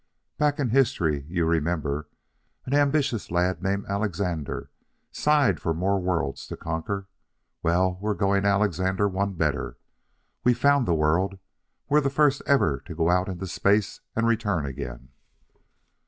"Back in history you remember? an ambitious lad named Alexander sighed for more worlds to conquer. Well, we're going Alexander one better we've found the world. We're the first ever to go out into space and return again.